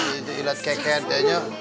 itu ilet keket kayaknya